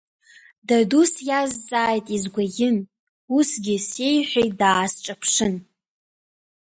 Даду сиазҵааит изгәаӷьын, усгьы сеиҳәеит даасҿаԥшын…